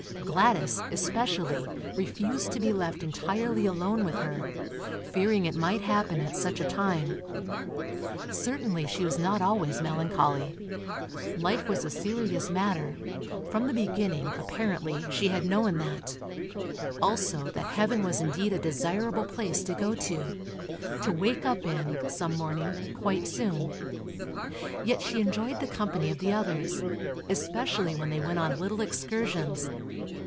Gladys, especially, refused to be left entirely alone with her, fearing it might happen at such a time. Certainly she was not always melancholy. Life was a serious matter—from the beginning, apparently, she had known that; also, that Heaven was indeed a desirable place to go to—to wake up in, some morning, quite soon. Yet she enjoyed the company of the others, especially when they went on little excursions.